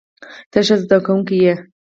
ته ښه زده کوونکی یې.